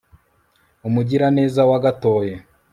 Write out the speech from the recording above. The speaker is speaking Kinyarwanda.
umugira neza wagatoye